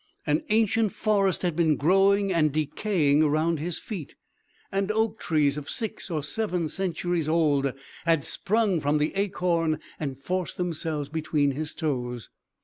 An ancient forest had been growing and decaying around his feet; and oak trees, of six or seven centuries old, had sprung from the acorn, and forced themselves between his toes.